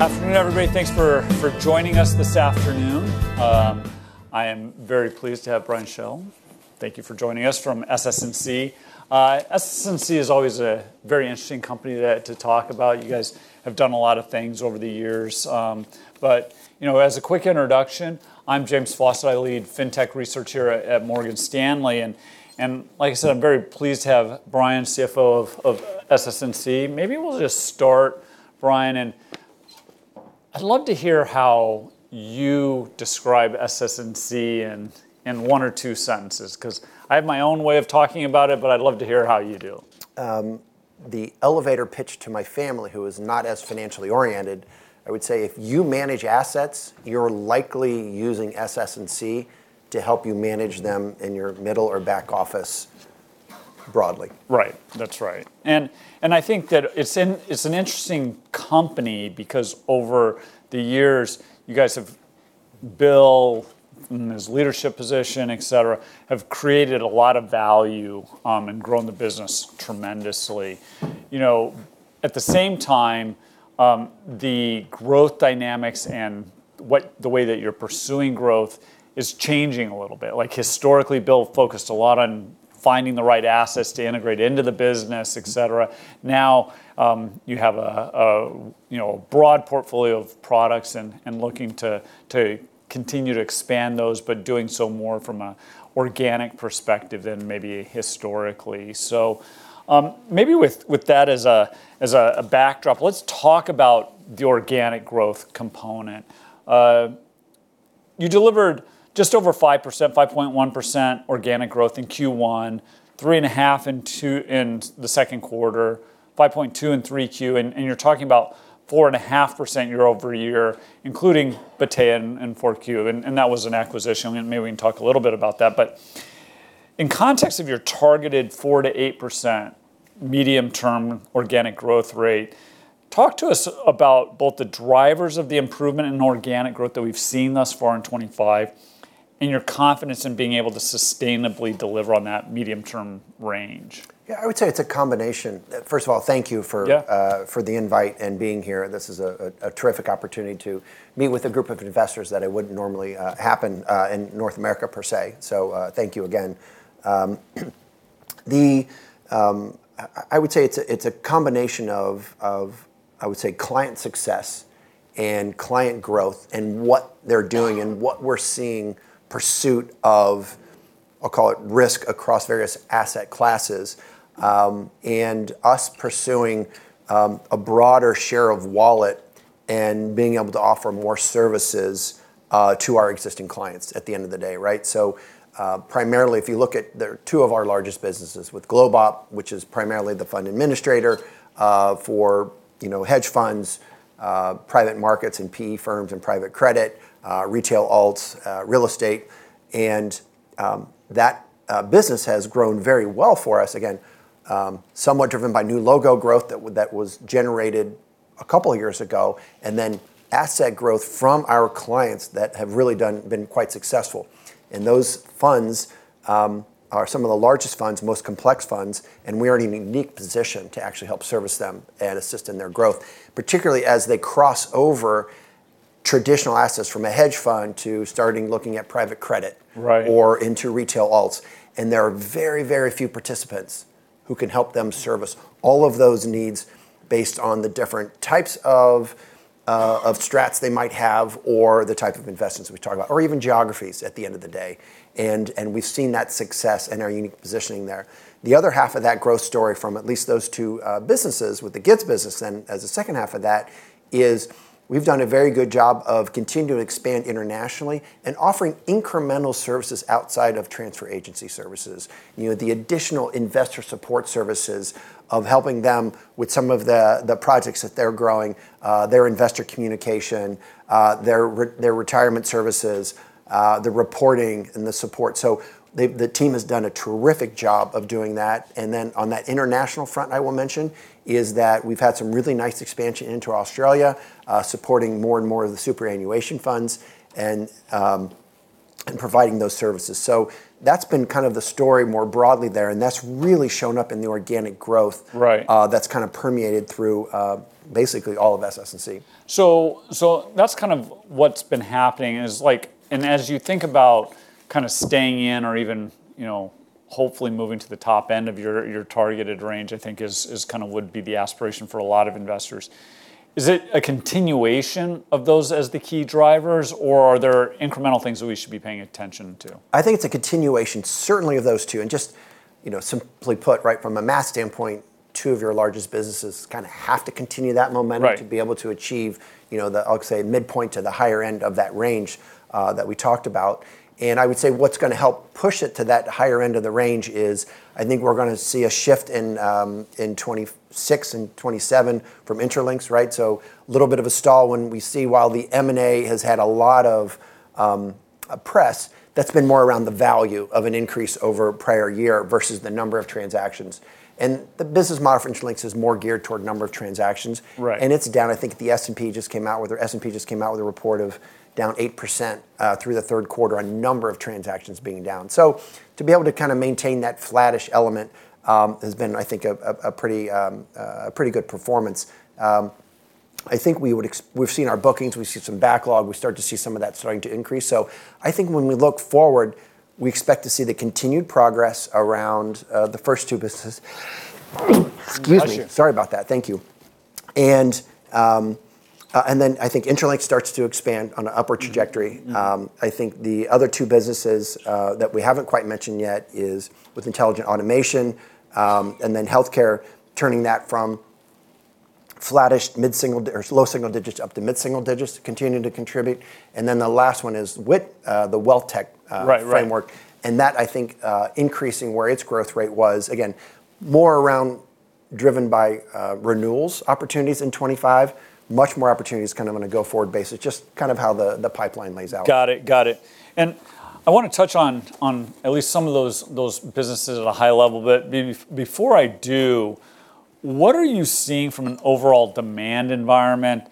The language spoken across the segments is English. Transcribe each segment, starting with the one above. Afternoon, everybody. Thanks for joining us this afternoon. I am very pleased to have Brian Schell. Thank you for joining us from SS&C. SS&C is always a very interesting company to talk about. You guys have done a lot of things over the years, but as a quick introduction, I'm James Foster. I lead fintech research here at Morgan Stanley, and like I said, I'm very pleased to have Brian, CFO of SS&C. Maybe we'll just start, Brian, and I'd love to hear how you describe SS&C in one or two sentences, because I have my own way of talking about it, but I'd love to hear how you do. The elevator pitch to my family, who is not as financially oriented, I would say if you manage assets, you're likely using SS&C to help you manage them in your middle or back office broadly. Right. That's right. And I think that it's an interesting company because over the years, you guys have, Bill, in his leadership position, et cetera, have created a lot of value and grown the business tremendously. At the same time, the growth dynamics and the way that you're pursuing growth is changing a little bit. Like historically, Bill focused a lot on finding the right assets to integrate into the business, et cetera. Now you have a broad portfolio of products and looking to continue to expand those, but doing so more from an organic perspective than maybe historically. So maybe with that as a backdrop, let's talk about the organic growth component. You delivered just over 5%, 5.1% organic growth in Q1, 3.5% in the second quarter, 5.2% in 3Q. And you're talking about 4.5% year-over-year, including Battea and 4Q. And that was an acquisition. And maybe we can talk a little bit about that. But in context of your targeted 4%-8% medium-term organic growth rate, talk to us about both the drivers of the improvement in organic growth that we've seen thus far in 2025 and your confidence in being able to sustainably deliver on that medium-term range? Yeah, I would say it's a combination. First of all, thank you for the invite and being here. This is a terrific opportunity to meet with a group of investors that it wouldn't normally happen in North America per se. So thank you again. I would say it's a combination of, I would say, client success and client growth and what they're doing and what we're seeing pursuit of, I'll call it risk across various asset classes and us pursuing a broader share of wallet and being able to offer more services to our existing clients at the end of the day. So primarily, if you look at two of our largest businesses with GlobeOp, which is primarily the fund administrator for hedge funds, private markets and PE firms and private credit, retail alts, real estate. And that business has grown very well for us, again, somewhat driven by new logo growth that was generated a couple of years ago and then asset growth from our clients that have really been quite successful. And those funds are some of the largest funds, most complex funds. And we are in a unique position to actually help service them and assist in their growth, particularly as they cross over traditional assets from a hedge fund to starting looking at private credit or into retail alts. And there are very, very few participants who can help them service all of those needs based on the different types of strats they might have or the type of investments we talk about or even geographies at the end of the day. And we've seen that success and our unique positioning there. The other half of that growth story from at least those two businesses with the GIDS business then as a second half of that is we've done a very good job of continuing to expand internationally and offering incremental services outside of transfer agency services, the additional investor support services of helping them with some of the projects that they're growing, their investor communication, their retirement services, the reporting and the support. So the team has done a terrific job of doing that. And then on that international front, I will mention is that we've had some really nice expansion into Australia, supporting more and more of the superannuation funds and providing those services. So that's been kind of the story more broadly there. And that's really shown up in the organic growth that's kind of permeated through basically all of SS&C. So that's kind of what's been happening. And as you think about kind of staying in or even hopefully moving to the top end of your targeted range, I think is kind of would be the aspiration for a lot of investors. Is it a continuation of those as the key drivers, or are there incremental things that we should be paying attention to? I think it's a continuation, certainly of those two. And just simply put, right from a math standpoint, two of your largest businesses kind of have to continue that momentum to be able to achieve, I'll say, midpoint to the higher end of that range that we talked about. And I would say what's going to help push it to that higher end of the range is I think we're going to see a shift in 2026 and 2027 from Intralinks. So a little bit of a stall when we see, while the M&A has had a lot of press, that's been more around the value of an increase over prior year versus the number of transactions. And the business model for Intralinks is more geared toward number of transactions. And it's down. I think the S&P just came out with a report of down 8% through the third quarter on number of transactions being down. So to be able to kind of maintain that flattish element has been, I think, a pretty good performance. I think we've seen our bookings. We see some backlog. We start to see some of that starting to increase. So I think when we look forward, we expect to see the continued progress around the first two businesses. Excuse me. Sorry about that. Thank you. And then I think Intralinks starts to expand on an upward trajectory. I think the other two businesses that we haven't quite mentioned yet is with Intelligent Automation and then Healthcare turning that from flattish, mid-single or low single digits up to mid-single digits, continuing to contribute. And then the last one is WIT, the wealth tech framework. And that, I think, increasing where its growth rate was, again, more around driven by renewals opportunities in 2025, much more opportunities kind of on a go-forward basis, just kind of how the pipeline lays out. Got it. Got it. And I want to touch on at least some of those businesses at a high level. But before I do, what are you seeing from an overall demand environment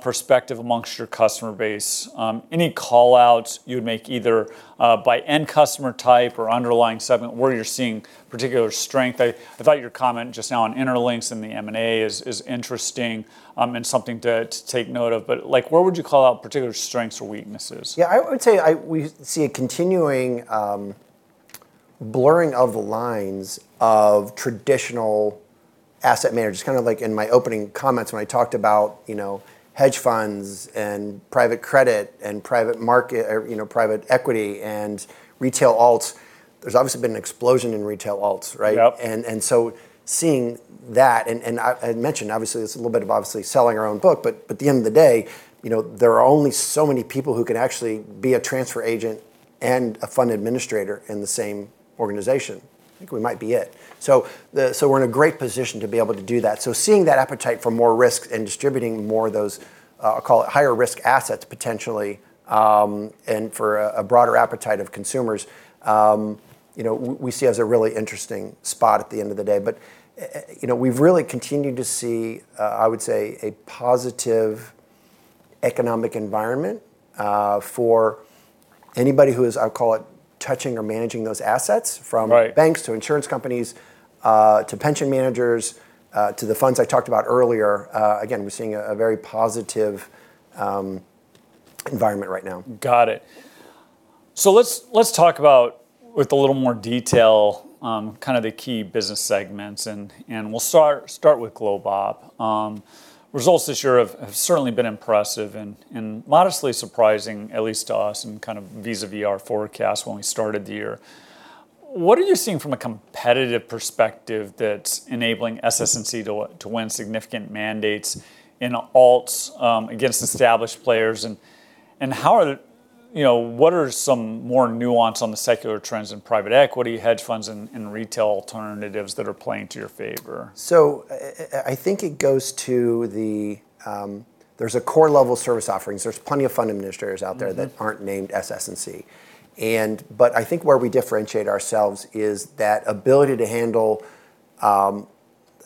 perspective amongst your customer base? Any call outs you would make either by end customer type or underlying segment where you're seeing particular strength? I thought your comment just now on Intralinks and the M&A is interesting and something to take note of. But where would you call out particular strengths or weaknesses? Yeah, I would say we see a continuing blurring of the lines of traditional asset managers. Kind of like in my opening comments when I talked about hedge funds and private credit and private market, private equity and retail alts. There's obviously been an explosion in retail alts. And so seeing that, and I mentioned, obviously, it's a little bit of obviously selling our own book. But at the end of the day, there are only so many people who can actually be a transfer agent and a fund administrator in the same organization. I think we might be it. So we're in a great position to be able to do that. So seeing that appetite for more risk and distributing more of those, I'll call it higher risk assets potentially and for a broader appetite of consumers, we see as a really interesting spot at the end of the day. But we've really continued to see, I would say, a positive economic environment for anybody who is, I'll call it, touching or managing those assets from banks to insurance companies to pension managers to the funds I talked about earlier. Again, we're seeing a very positive environment right now. Got it. So let's talk about with a little more detail kind of the key business segments. And we'll start with GlobeOp. Results this year have certainly been impressive and modestly surprising, at least to us and kind of vis-à-vis our forecast when we started the year. What are you seeing from a competitive perspective that's enabling SS&C to win significant mandates in alts against established players? And what are some more nuances on the secular trends in private equity, hedge funds, and retail alternatives that are playing to your favor? So I think it goes to the there's a core level of service offerings. There's plenty of fund administrators out there that aren't named SS&C. But I think where we differentiate ourselves is that ability to handle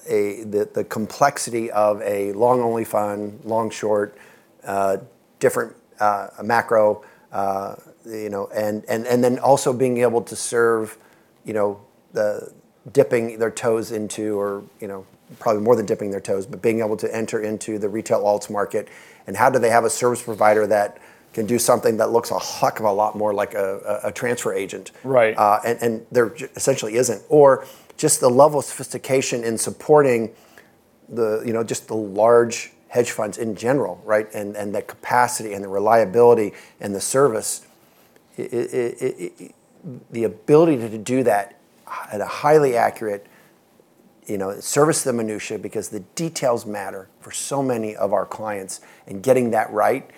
the complexity of a long-only fund, long-short, different macro, and then also being able to serve dipping their toes into or probably more than dipping their toes, but being able to enter into the retail alts market. And how do they have a service provider that can do something that looks a heck of a lot more like a transfer agent? And there essentially isn't. Or just the level of sophistication in supporting just the large hedge funds in general and the capacity and the reliability and the service, the ability to do that at a highly accurate service to the minutiae because the details matter for so many of our clients. And getting that right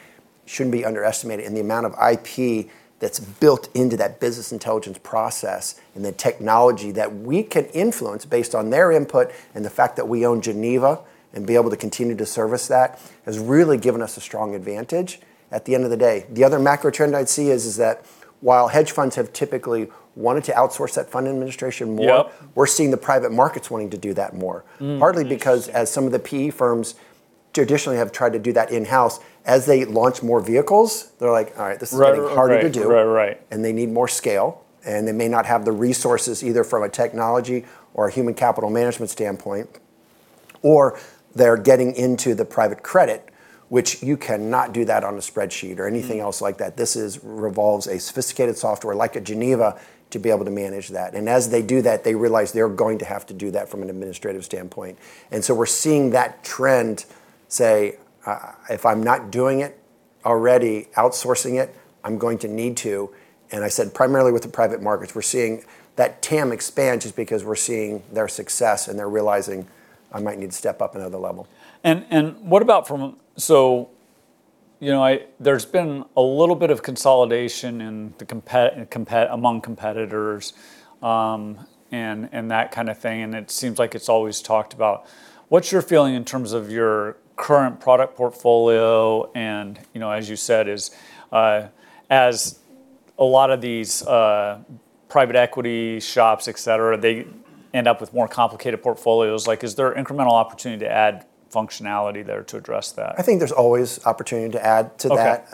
shouldn't be underestimated. And the amount of IP that's built into that business intelligence process and the technology that we can influence based on their input and the fact that we own Geneva and be able to continue to service that has really given us a strong advantage at the end of the day. The other macro trend I'd see is that while hedge funds have typically wanted to outsource that fund administration more, we're seeing the private markets wanting to do that more, partly because as some of the PE firms traditionally have tried to do that in-house, as they launch more vehicles, they're like, all right, this is getting harder to do. And they need more scale. And they may not have the resources either from a technology or a human capital management standpoint, or they're getting into the private credit, which you cannot do that on a spreadsheet or anything else like that. This requires a sophisticated software like a Geneva to be able to manage that. And as they do that, they realize they're going to have to do that from an administrative standpoint. And so we're seeing that trend, say, if I'm not doing it already, outsourcing it, I'm going to need to. And I see primarily with the private markets, we're seeing that TAM expands just because we're seeing their success and they're realizing I might need to step up another level. And what about? So there's been a little bit of consolidation among competitors and that kind of thing. And it seems like it's always talked about. What's your feeling in terms of your current product portfolio? And as you said, as a lot of these private equity shops, et cetera, they end up with more complicated portfolios. Is there incremental opportunity to add functionality there to address that? I think there's always opportunity to add to that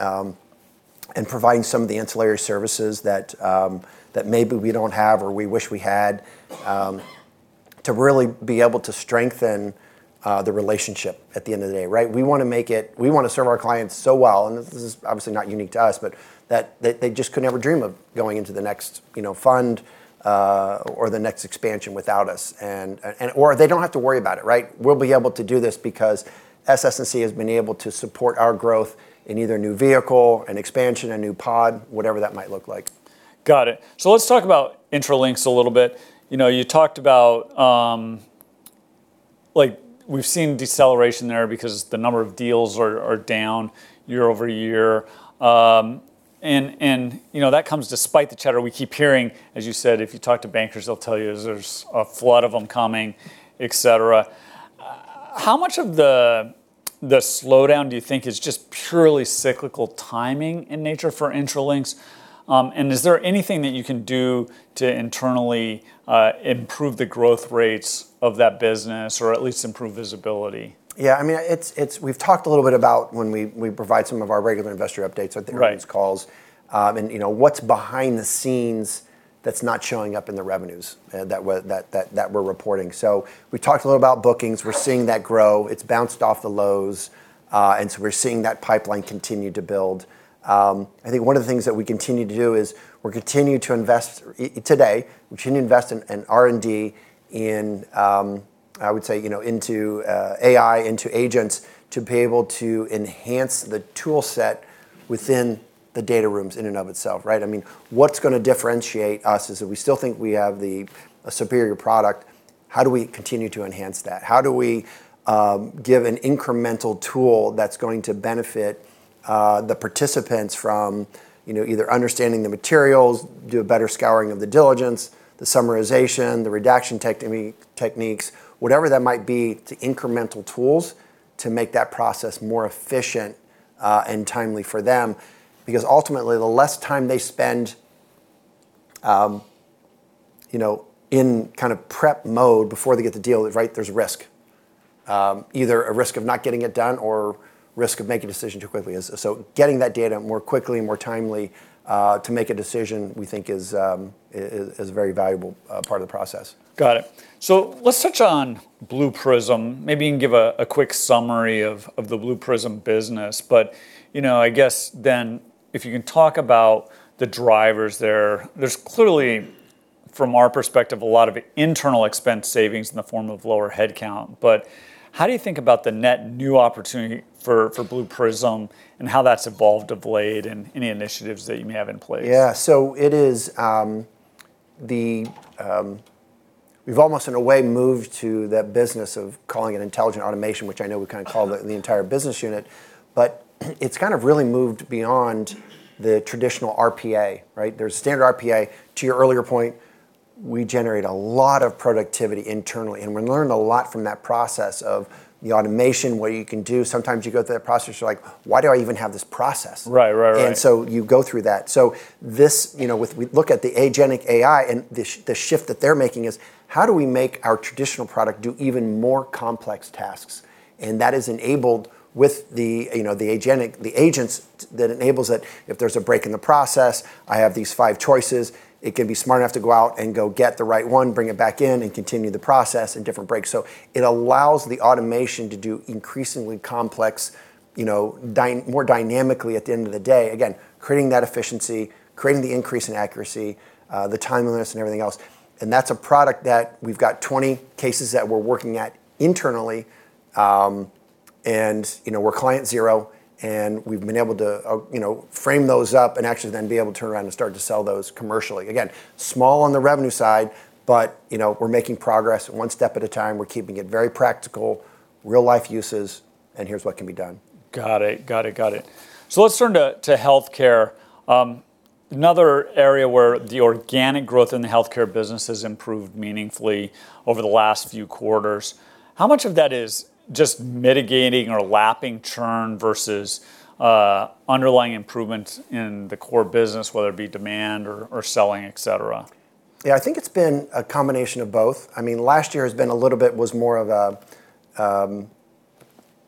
and providing some of the ancillary services that maybe we don't have or we wish we had to really be able to strengthen the relationship at the end of the day. We want to make it we want to serve our clients so well. And this is obviously not unique to us, but they just could never dream of going into the next fund or the next expansion without us. Or they don't have to worry about it. We'll be able to do this because SS&C has been able to support our growth in either new vehicle, an expansion, a new pod, whatever that might look like. Got it, so let's talk about Intralinks a little bit. You talked about we've seen deceleration there because the number of deals are down year-over-year, and that comes despite the chatter we keep hearing. As you said, if you talk to bankers, they'll tell you there's a flood of them coming, et cetera. How much of the slowdown do you think is just purely cyclical timing in nature for Intralinks, and is there anything that you can do to internally improve the growth rates of that business or at least improve visibility? Yeah, I mean, we've talked a little bit about when we provide some of our regular investor updates at the Intralinks calls and what's behind the scenes that's not showing up in the revenues that we're reporting. So we talked a little about bookings. We're seeing that grow. It's bounced off the lows. And so we're seeing that pipeline continue to build. I think one of the things that we continue to do is we're continuing to invest today. We're continuing to invest in R&D, I would say into AI, into agents to be able to enhance the toolset within the data rooms in and of itself. I mean, what's going to differentiate us is that we still think we have the superior product. How do we continue to enhance that? How do we give an incremental tool that's going to benefit the participants from either understanding the materials, do a better scouring of the diligence, the summarization, the redaction techniques, whatever that might be to incremental tools to make that process more efficient and timely for them? Because ultimately, the less time they spend in kind of prep mode before they get the deal, there's risk, either a risk of not getting it done or risk of making a decision too quickly. So getting that data more quickly and more timely to make a decision we think is a very valuable part of the process. Got it. So let's touch on Blue Prism. Maybe you can give a quick summary of the Blue Prism business. But I guess then if you can talk about the drivers there, there's clearly from our perspective a lot of internal expense savings in the form of lower headcount. But how do you think about the net new opportunity for Blue Prism and how that's evolved of late and any initiatives that you may have in place? Yeah, so it is. We've almost, in a way, moved to that business of calling it Intelligent Automation, which I know we kind of call the entire business unit, but it's kind of really moved beyond the traditional RPA. There's a standard RPA. To your earlier point, we generate a lot of productivity internally, and we learned a lot from that process of the automation, what you can do. Sometimes you go through that process, you're like, why do I even have this process, and so you go through that, so we look at the agentic AI and the shift that they're making is how do we make our traditional product do even more complex tasks, and that is enabled with the agents that enables that if there's a break in the process, I have these five choices. It can be smart enough to go out and go get the right one, bring it back in, and continue the process in different breaks, so it allows the automation to do increasingly complex, more dynamically at the end of the day, again creating that efficiency, creating the increase in accuracy, the timeliness, and everything else, and that's a product that we've got 20 cases that we're working at internally, and we're client zero, and we've been able to frame those up and actually then be able to turn around and start to sell those commercially. Again, small on the revenue side, but we're making progress one step at a time. We're keeping it very practical, real-life uses, and here's what can be done. Got it. Let's turn to Healthcare. Another area where the organic growth in the Healthcare business has improved meaningfully over the last few quarters. How much of that is just mitigating or lapping churn versus underlying improvements in the core business, whether it be demand or selling, et cetera? Yeah, I think it's been a combination of both. I mean, last year has been a little bit more of a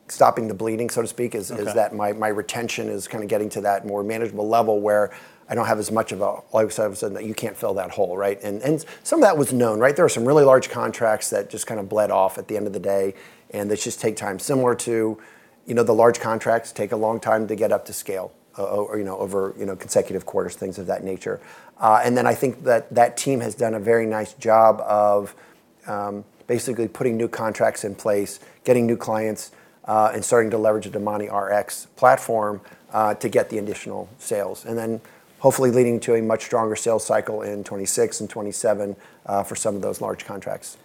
stopping the bleeding, so to speak, in that my retention is kind of getting to that more manageable level where I don't have as much of a, like I said, you can't fill that hole. And some of that was known. There were some really large contracts that just kind of bled off at the end of the day. And they just take time similar to the large contracts take a long time to get up to scale over consecutive quarters, things of that nature. And then I think that that team has done a very nice job of basically putting new contracts in place, getting new clients, and starting to leverage the DomaniRx platform to get the additional sales. And then hopefully leading to a much stronger sales cycle in 2026 and 2027 for some of those large contracts.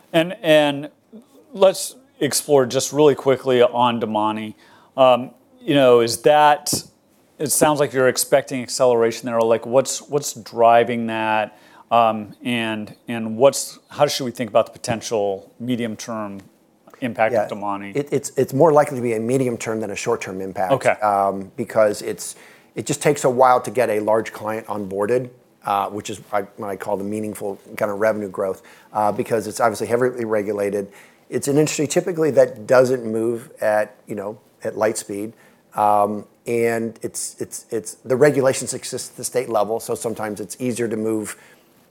Let's explore just really quickly on Domani. It sounds like you're expecting acceleration there. What's driving that? How should we think about the potential medium-term impact of Domani? It's more likely to be a medium-term than a short-term impact because it just takes a while to get a large client onboarded, which is what I call the meaningful kind of revenue growth because it's obviously heavily regulated. It's an industry typically that doesn't move at light speed. And the regulations exist at the state level. So sometimes it's easier to move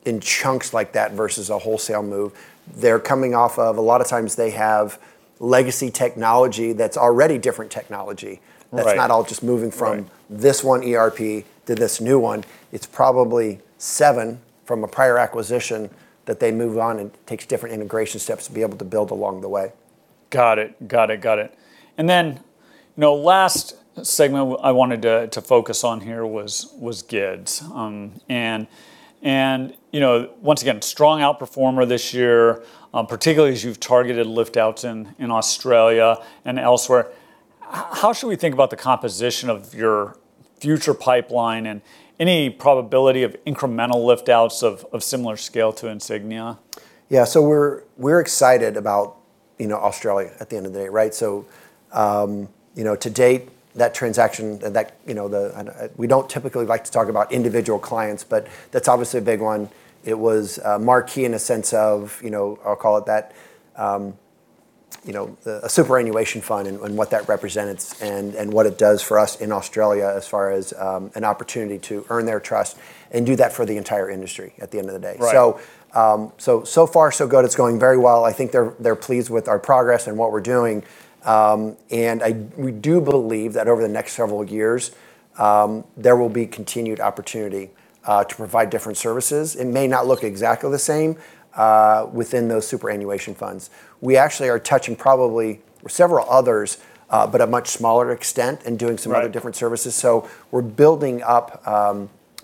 in chunks like that versus a wholesale move. They're coming off of a lot of times they have legacy technology that's already different technology. That's not all just moving from this one ERP to this new one. It's probably seven from a prior acquisition that they move on and take different integration steps to be able to build along the way. Got it. Got it. Got it. And then last segment I wanted to focus on here was GIDS. And once again, strong outperformer this year, particularly as you've targeted liftouts in Australia and elsewhere. How should we think about the composition of your future pipeline and any probability of incremental liftouts of similar scale to Insignia? Yeah, so we're excited about Australia at the end of the day. So to date, that transaction, we don't typically like to talk about individual clients, but that's obviously a big one. It was marquee in a sense of, I'll call it that, a superannuation fund and what that represents and what it does for us in Australia as far as an opportunity to earn their trust and do that for the entire industry at the end of the day. So, so far, so good. It's going very well. I think they're pleased with our progress and what we're doing. And we do believe that over the next several years, there will be continued opportunity to provide different services. It may not look exactly the same within those superannuation funds. We actually are touching probably several others, but a much smaller extent and doing some other different services. So we're building up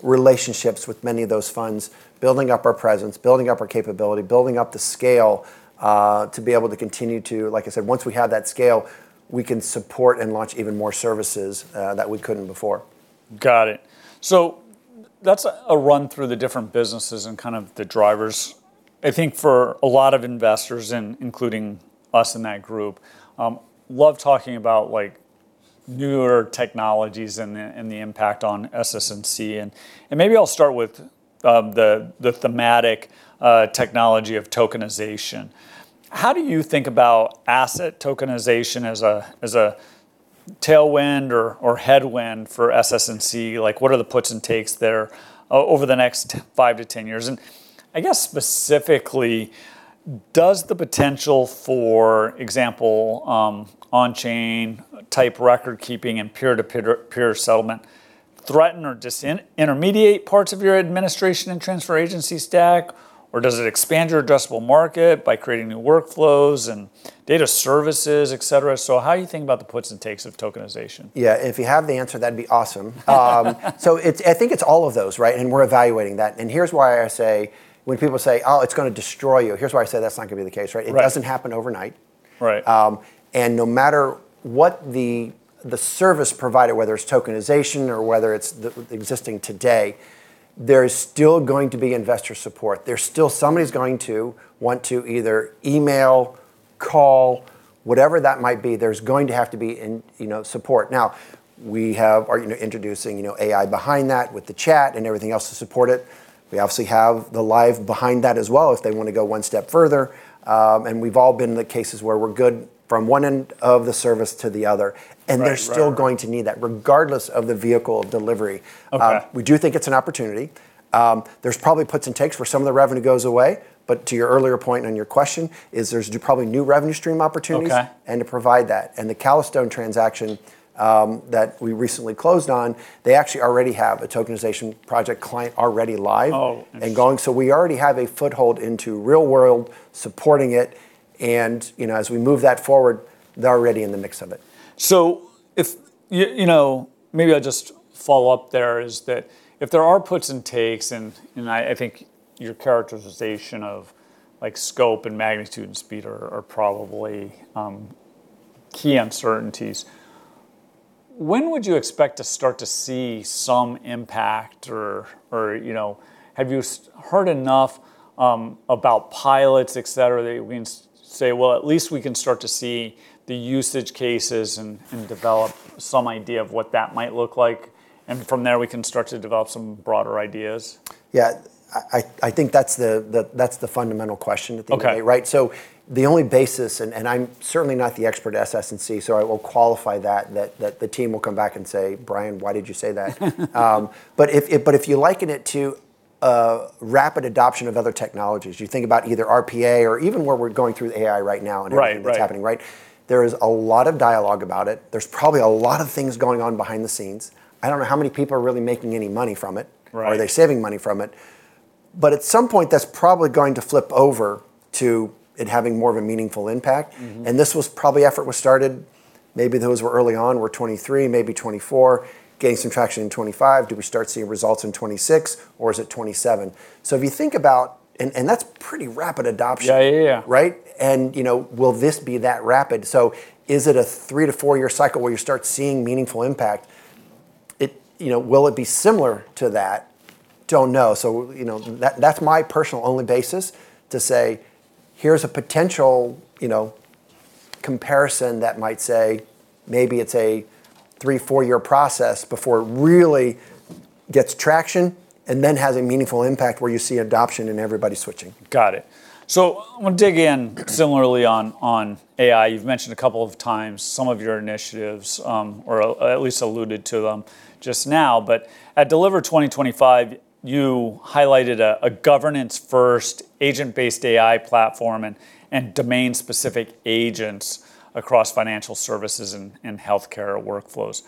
relationships with many of those funds, building up our presence, building up our capability, building up the scale to be able to continue to, like I said, once we have that scale, we can support and launch even more services that we couldn't before. Got it, so that's a run through the different businesses and kind of the drivers. I think for a lot of investors, including us in that group, love talking about newer technologies and the impact on SS&C, and maybe I'll start with the thematic technology of tokenization. How do you think about asset tokenization as a tailwind or headwind for SS&C? What are the puts and takes there over the next five to 10 years, and I guess specifically, does the potential for example, on-chain type record keeping and peer-to-peer settlement threaten or disintermediate parts of your administration and transfer agency stack, or does it expand your addressable market by creating new workflows and data services, et cetera, so how do you think about the puts and takes of tokenization? Yeah, if you have the answer, that'd be awesome, so I think it's all of those, and we're evaluating that, and here's why I say when people say, 'oh, it's going to destroy you.' Here's why I say that's not going to be the case. It doesn't happen overnight, and no matter what the service provider, whether it's tokenization or whether it's existing today, there's still going to be investor support. There's still somebody's going to want to either email, call, whatever that might be. There's going to have to be support. Now, we are introducing AI behind that with the chat and everything else to support it. We obviously have the live behind that as well if they want to go one step further, and we've all been in the cases where we're good from one end of the service to the other. And they're still going to need that regardless of the vehicle of delivery. We do think it's an opportunity. There's probably puts and takes where some of the revenue goes away. But to your earlier point on your question, there's probably new revenue stream opportunities and to provide that. And the Calastone transaction that we recently closed on, they actually already have a tokenization project client already live and going. So we already have a foothold into real world supporting it. And as we move that forward, they're already in the mix of it. So, maybe I'll just follow up there. Is that if there are puts and takes, and I think your characterization of scope and magnitude and speed are probably key uncertainties. When would you expect to start to see some impact? Or have you heard enough about pilots, et cetera, et cetera, that you can say, well, at least we can start to see the use cases and develop some idea of what that might look like? And from there, we can start to develop some broader ideas? Yeah, I think that's the fundamental question at the end of the day. So the only basis, and I'm certainly not the expert at SS&C, so I will qualify that, that the team will come back and say, "Brian, why did you say that?" But if you liken it to rapid adoption of other technologies, you think about either RPA or even where we're going through the AI right now and everything that's happening, there is a lot of dialogue about it. There's probably a lot of things going on behind the scenes. I don't know how many people are really making any money from it. Are they saving money from it? But at some point, that's probably going to flip over to it having more of a meaningful impact. And this was probably effort was started. Maybe those were early on, were 2023, maybe 2024, gaining some traction in 2025. Do we start seeing results in 2026, or is it 2027? So if you think about, and that's pretty rapid adoption, right? And will this be that rapid? So is it a three to four-year cycle where you start seeing meaningful impact? Will it be similar to that? Don't know. So that's my personal only basis to say, here's a potential comparison that might say maybe it's a three, four-year process before it really gets traction and then has a meaningful impact where you see adoption and everybody switching. Got it, so I want to dig in similarly on AI. You've mentioned a couple of times some of your initiatives or at least alluded to them just now, but at Deliver 2025, you highlighted a governance-first agent-based AI platform and domain-specific agents across financial services and Healthcare workflows.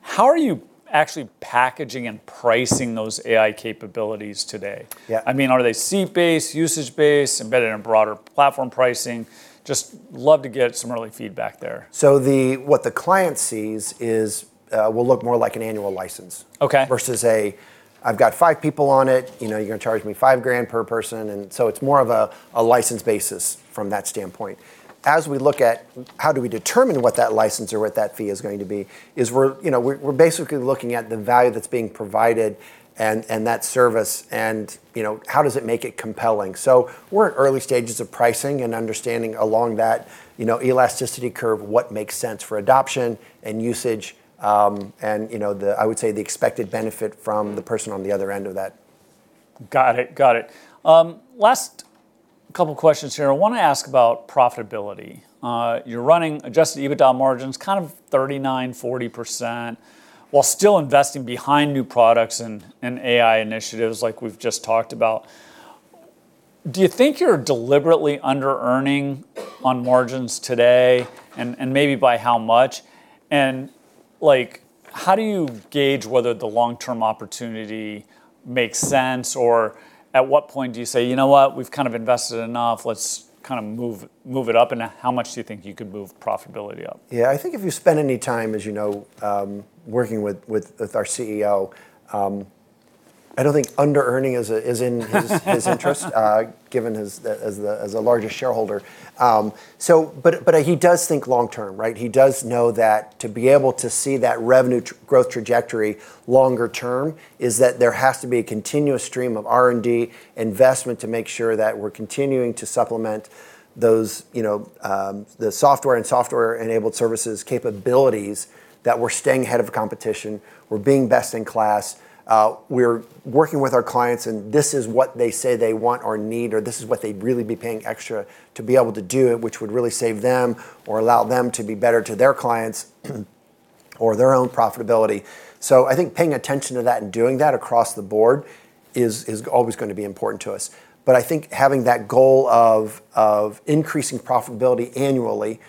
How are you actually packaging and pricing those AI capabilities today? I mean, are they seat-based, usage-based, embedded in broader platform pricing? Just love to get some early feedback there. So what the client sees will look more like an annual license versus a, "I've got five people on it. You're going to charge me five grand per person." And so it's more of a license basis from that standpoint. As we look at how do we determine what that license or what that fee is going to be, we're basically looking at the value that's being provided and that service and how does it make it compelling. So we're at early stages of pricing and understanding along that elasticity curve what makes sense for adoption and usage and I would say the expected benefit from the person on the other end of that. Got it. Got it. Last couple of questions here. I want to ask about profitability. You're running adjusted EBITDA margins, kind of 39%-40%, while still investing behind new products and AI initiatives like we've just talked about. Do you think you're deliberately under-earning on margins today and maybe by how much? And how do you gauge whether the long-term opportunity makes sense or at what point do you say, you know what, we've kind of invested enough, let's kind of move it up? And how much do you think you could move profitability up? Yeah, I think if you spend any time, as you know, working with our CEO, I don't think under-earning is in his interest given, as a larger shareholder, but he does think long-term. He does know that to be able to see that revenue growth trajectory longer term is that there has to be a continuous stream of R&D investment to make sure that we're continuing to supplement the software and software-enabled services capabilities that we're staying ahead of competition. We're being best in class. We're working with our clients and this is what they say they want or need or this is what they'd really be paying extra to be able to do it, which would really save them or allow them to be better to their clients or their own profitability. So I think paying attention to that and doing that across the board is always going to be important to us. But I think having that goal of increasing profitability annually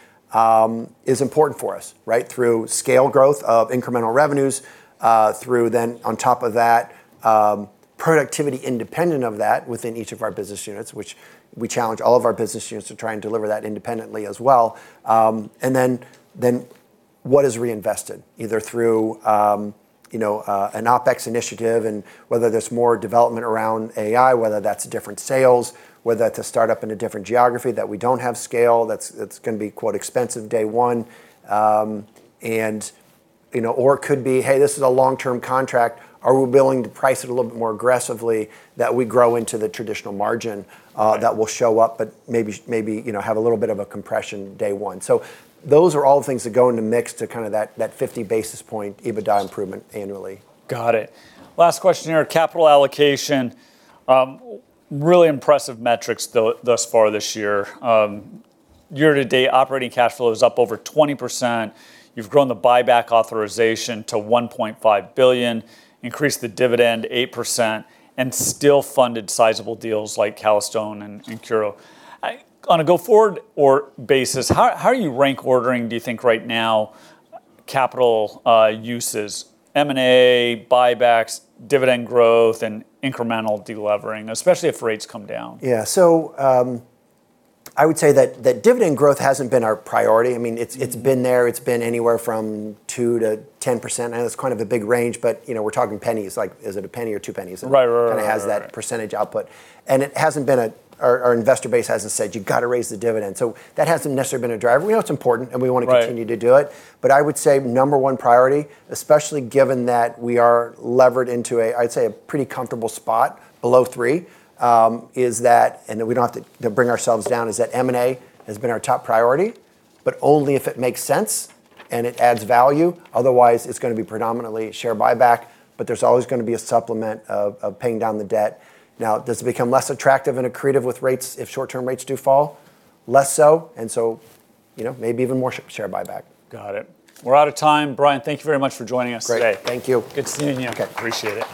is important for us through scale growth of incremental revenues, through then on top of that, productivity independent of that within each of our business units, which we challenge all of our business units to try and deliver that independently as well. And then what is reinvested either through an OpEx initiative and whether there's more development around AI, whether that's different sales, whether that's a startup in a different geography that we don't have scale, that's going to be quote expensive day one, or could be, hey, this is a long-term contract. Are we willing to price it a little bit more aggressively that we grow into the traditional margin that will show up, but maybe have a little bit of a compression day one? So those are all things that go into mix to kind of that 50 basis point EBITDA improvement annually. Got it. Last question here. Capital allocation, really impressive metrics thus far this year. Year-to-date, operating cash flow is up over 20%. You've grown the buyback authorization to $1.5 billion, increased the dividend 8%, and still funded sizable deals like Calastone and Curo. On a go-forward basis, how do you rank order, do you think right now, capital uses, M&A, buybacks, dividend growth, and incremental delevering, especially if rates come down? Yeah, so I would say that dividend growth hasn't been our priority. I mean, it's been there. It's been anywhere from 2%-10%. I know that's kind of a big range, but we're talking pennies. Is it a penny or two pennies? It kind of has that percentage output. And our investor base hasn't said, you got to raise the dividend. So that hasn't necessarily been a driver. We know it's important and we want to continue to do it. But I would say number one priority, especially given that we are levered into a, I'd say a pretty comfortable spot below three, and we don't have to bring ourselves down, is M&A, but only if it makes sense and it adds value. Otherwise, it's going to be predominantly share buyback, but there's always going to be a supplement of paying down the debt. Now, does it become less attractive and accretive with rates if short-term rates do fall? Less so. And so maybe even more share buyback. Got it. We're out of time. Brian, thank you very much for joining us today. Great. Thank you. Good seeing you. Okay. Appreciate it.